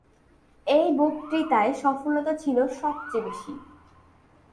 এই বক্তৃতার সফলতা ছিল সবচেয়ে বেশি।